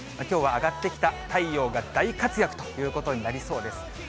きょうは上がってきた太陽が大活躍ということになりそうです。